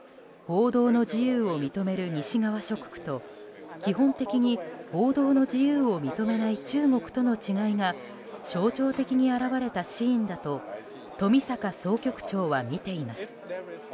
報道の自由を認める西側諸国と基本的に報道の自由を認めない中国との違いが象徴的に表れたシーンだと冨坂総局長は見ています。